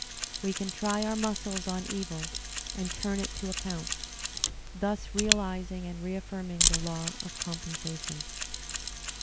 We can try our muscles on evil and turn it to account, thus realizing and reaffirming the law of com pensation.